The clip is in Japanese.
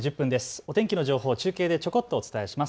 お天気の情報を中継でちょこっとお伝えします。